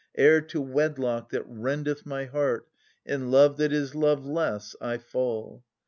Ere to wedlock that rendeth my heart, and love that is love less, I fall